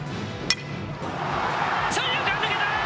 三遊間抜いた。